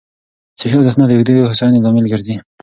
صحي عادتونه د اوږدې هوساینې لامل ګرځي.